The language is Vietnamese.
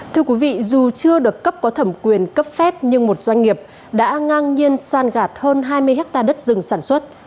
thưa quý vị dù chưa được cấp có thẩm quyền cấp phép nhưng một doanh nghiệp đã ngang nhiên san gạt hơn hai mươi hectare đất rừng sản xuất